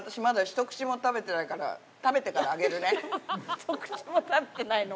ひと口も食べてないの？